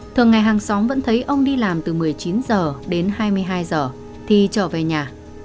thường ngày hàng xóm vẫn thấy ông đi làm từ một mươi chín h đến hai mươi hai h thì trở về nhà